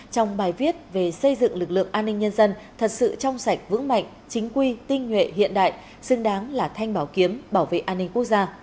trong bài viết về xây dựng lực lượng an ninh nhân dân thật sự trong sạch vững mạnh chính quy tinh nhuệ hiện đại xứng đáng là thanh bảo kiếm bảo vệ an ninh quốc gia